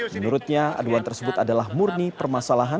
menurutnya aduan tersebut adalah murni permasalahan